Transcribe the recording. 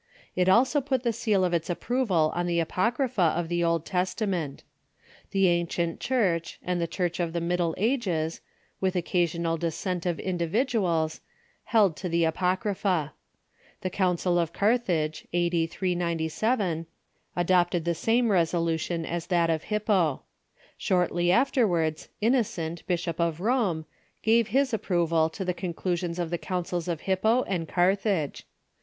It also put the seal of its approval on the Apocrypha of the Old Testament. The ancient Church and the Church of the Mid dle Ages, with occasional dissent of individuals, held to the Apocrypha. The Council of Carthage, a.d. 397, adopted the same resolution as that of Hippo. Shortly afterwards, Inno cent, Bishop of Rome, gave his approval to the conclusions of the councils of Hippo and Carthage.